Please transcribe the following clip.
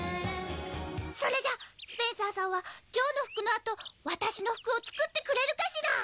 それじゃスペンサーさんはジョオの服のあと私の服を作ってくれるかしら？